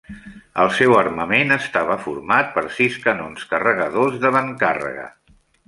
El seu armament estava format per sis canons carregadors d'avantcàrrega.